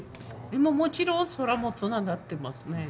もちろん空もつながってますね。